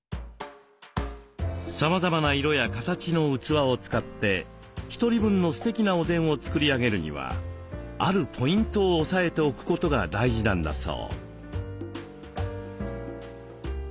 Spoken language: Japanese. さまざまな色や形の器を使って１人分のすてきなお膳を作り上げるにはあるポイントを押さえておくことが大事なんだそう。